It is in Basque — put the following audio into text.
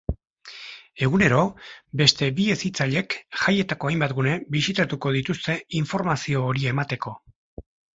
Egunero, beste bi hezitzailek jaietako hainbat gune bisitatuko dituzte informazio hori emateko.